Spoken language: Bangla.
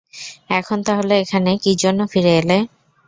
এখন তাহলে এখানে কীজন্য ফিরে এলে?